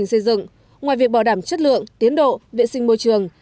công trình xây dựng ngoài việc bảo đảm chất lượng tiến độ vệ sinh môi trường